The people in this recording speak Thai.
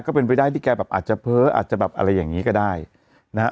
ก็เป็นไปได้ที่แกแบบอาจจะเพ้ออาจจะแบบอะไรอย่างนี้ก็ได้นะฮะ